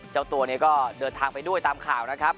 เจ้าตัวเนี่ยก็เดินทางไปด้วยตามข่าวนะครับ